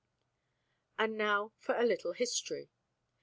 And now for a little history.